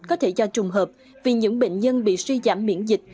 có thể do trùng hợp vì những bệnh nhân bị suy giảm miễn dịch